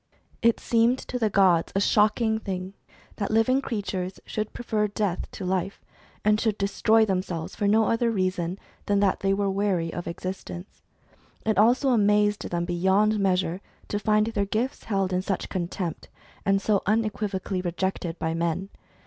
It seemed to the gods a shocking thing that living crea tures should prefer death to life, and should destroy them selves for no other reason than that they were weary of existence. It also amazed them beyond measure to find their gifts held in such contempt, and so unequivocally rejected by men.